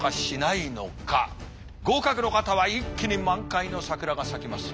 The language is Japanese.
合格の方は一気に満開の桜が咲きます。